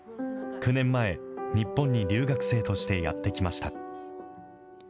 ９年前、日本に留学生としてやって来ました。